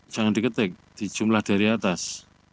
jangan diketik di jumlah dari atas